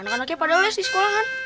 anak anaknya padahal les di sekolahan